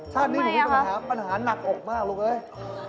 ชาตินี้หนูมีปัญหาหนักอกมากลูกเลยทำไมครับ